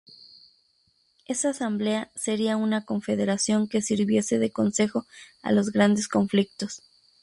Esa asamblea sería una confederación que sirviese de consejo a los grandes conflictos.